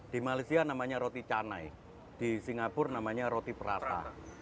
di malaysia namanya roti canai di singapura namanya roti prata